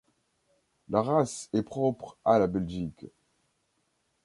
La race est propre à la Belgique.